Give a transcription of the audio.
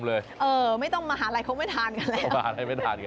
เออไม่ต้องมหาลัยเขาไม่ทานกันแล้ว